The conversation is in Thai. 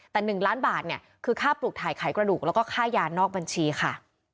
แต่๑ล้านบาทเนี่ยคือค่าปลูกถ่ายไขกระดูกแล้วก็ค่ายานอกบัญชีค่ะ